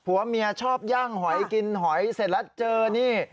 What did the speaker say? ผัวเมียชอบย่างหอยกินหอยเสร็จแล้วเจอนี่